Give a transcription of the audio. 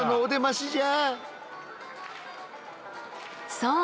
そう！